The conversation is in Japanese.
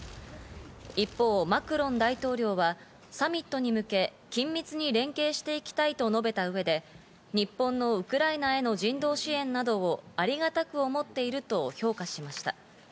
一方、マクロン大統領はサミットに向け、緊密に連携していきたいと述べた上で日本のウクライナへの人道支援などをありがたく思っていると評価しました。